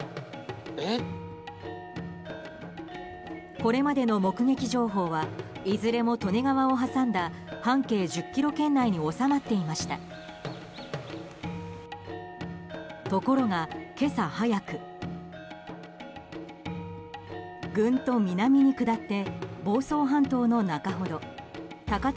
これまでの目撃情報はいずれも利根川を挟んだ半径１０ｋｍ圏内に収まっていました。